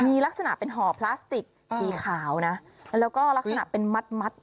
มีลักษณะเป็นห่อพลาสติกสีขาวนะแล้วก็ลักษณะเป็นมัด